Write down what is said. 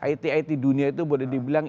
it it dunia itu boleh dibilang